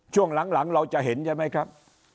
ช่วงหลังเราจะเห็นใช่ไหมครับ